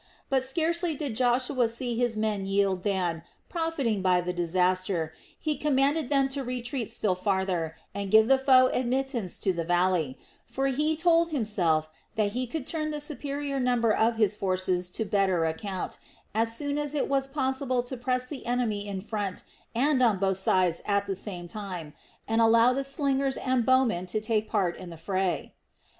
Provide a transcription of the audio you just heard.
But scarcely did Joshua see his men yield than, profiting by the disaster, he commanded them to retreat still farther and give the foe admittance to the valley; for he told himself that he could turn the superior number of his forces to better account as soon as it was possible to press the enemy in front and on both sides at the same time, and allow the slingers and bowmen to take part in the fray.